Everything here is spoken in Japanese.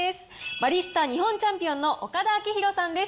バリスタ日本チャンピオンの岡田章宏さんです。